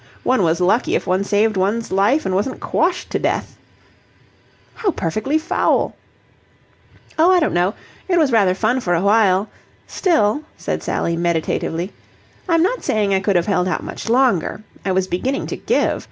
One was lucky if one saved one's life and wasn't quashed to death." "How perfectly foul!" "Oh, I don't know. It was rather fun for a while. Still," said Sally, meditatively, "I'm not saying I could have held out much longer: I was beginning to give.